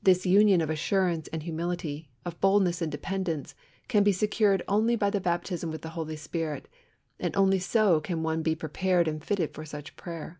This union of assurance and humility, of boldness and dependence, can be secured only by the baptism with the Holy Spirit, and only so can one be prepared and fitted for such prayer.